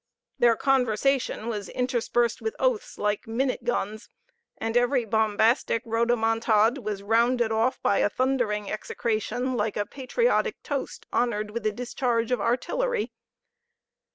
Their conversation was interspersed with oaths like minute guns, and every bombastic rhodomontade was rounded off by a thundering execration, like a patriotic toast honored with a discharge of artillery.